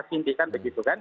sinti kan begitu kan